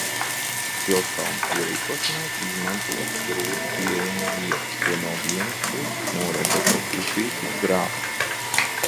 Pilskalna ierīkošanai izmantota grūti pieejama vieta, ko no vienas puses norobežo upītes grava.